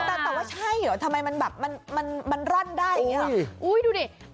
แต่ว่าใช่เหรอทำไมมันแบบมันร่อนได้อย่างนี้หรอดูดิ